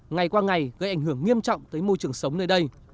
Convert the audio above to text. ngày qua ngày gây ảnh hưởng nghiêm trọng tới môi trường sống nơi đây